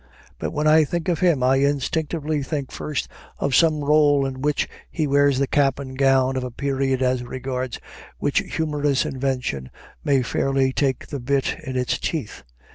But when I think of him I instinctively think first of some rôle in which he wears the cap and gown of a period as regards which humorous invention may fairly take the bit in its teeth.